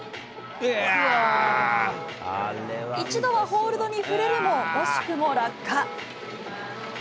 一度はホールドに触れるも、惜しくも落下。